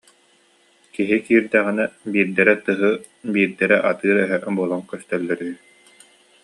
Киһи киирдэҕинэ биирдэрэ тыһы, биирдэрэ атыыр эһэ буолан көстөллөр үһү